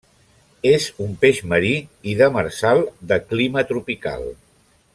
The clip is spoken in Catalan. És un peix marí i demersal de clima tropical.